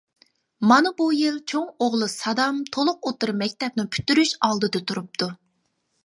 مانا بۇ يىل چوڭ ئوغلى سادام تولۇق ئوتتۇرا مەكتەپنى پۈتتۈرۈش ئالدىدا تۇرۇپتۇ.